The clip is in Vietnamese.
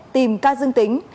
tìm ca dương tính